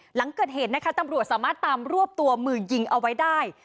หลังเกิดเหตุนะคะตำรวจสามารถตามรวบตัวมือยิงเอาไว้ได้